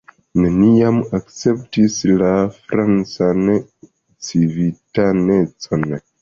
Neniam akceptis la francan civitanecon.